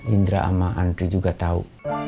indra sama antri juga tahu